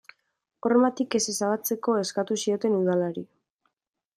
Hormatik ez ezabatzeko eskatu zioten udalari.